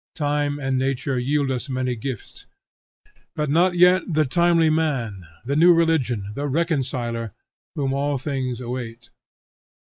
Time and nature yield us many gifts, but not yet the timely man, the new religion, the reconciler, whom all things await.